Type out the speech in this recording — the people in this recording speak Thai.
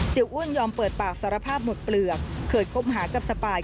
อ้วนยอมเปิดปากสารภาพหมดเปลือกเคยคบหากับสปาย